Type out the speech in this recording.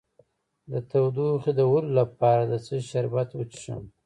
د تودوخې د وهلو لپاره د څه شي شربت وڅښم؟